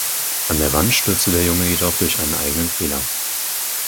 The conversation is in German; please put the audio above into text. An der Wand stürzte der Junge jedoch durch einen eigenen Fehler.